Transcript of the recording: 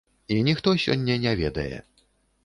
І ніхто сёння не ведае.